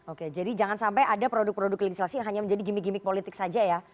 oke jadi jangan sampai ada produk produk legislasi yang hanya menjadi gimmick gimmick politik saja ya